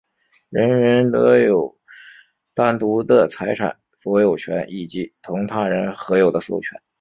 人人得有单独的财产所有权以及同他人合有的所有权。